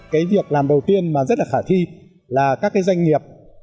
cái việc làm đầu tiên mà rất là khả thi là các cái doanh nghiệp